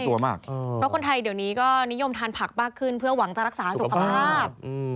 เพราะคนไทยเดี๋ยวนี้ก็นิยมทานผักมากขึ้นเพื่อหวังจะรักษาสุขภาพ